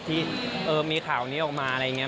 ที่มีข่าวนี้ออกมาอะไรอย่างนี้